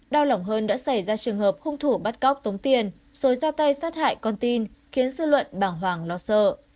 đau lỏng hơn đã xảy ra trường hợp hung thủ bắt cóc tống tiền rồi ra tay sát hại con tin khiến dư luận bàng hoàng lo sợ